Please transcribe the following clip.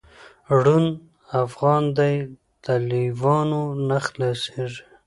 ړوند افغان دی له لېوانو نه خلاصیږي